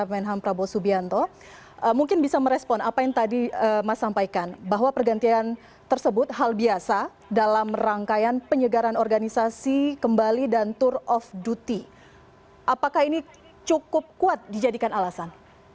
menhan prabowo subianto mungkin bisa merespon apa yang tadi mas sampaikan bahwa pergantian tersebut hal biasa dalam rangkaian penyegaran organisasi kembali dan tour of duty apakah ini cukup kuat dijadikan alasan